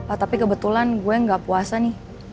ah tapi kebetulan gue gak puasa nih